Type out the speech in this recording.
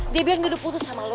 dia bilang dia udah putus sama lo